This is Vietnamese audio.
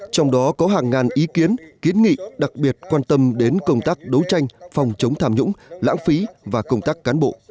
trong đó có hàng ngàn ý kiến kiến nghị đặc biệt quan tâm đến công tác đấu tranh phòng chống tham nhũng lãng phí và công tác cán bộ